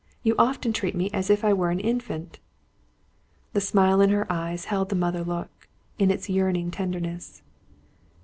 You often treat me as if I were an infant." The smile in her eyes held the mother look, in its yearning tenderness.